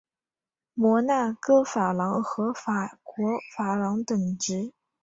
摩纳哥法郎和法国法郎等值。